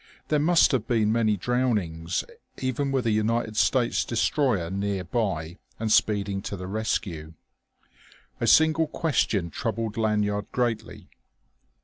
There must have been many drownings, even with a United States destroyer near by and speeding to the rescue. A single question troubled Lanyard greatly.